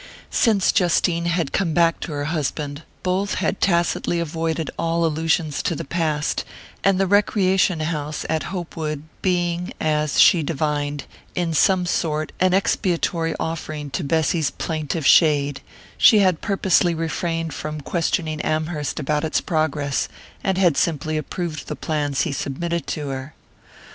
Since Justine had come back to her husband, both had tacitly avoided all allusions to the past, and the recreation house at Hopewood being, as she divined, in some sort an expiatory offering to Bessy's plaintive shade, she had purposely refrained from questioning Amherst about its progress, and had simply approved the plans he submitted to her.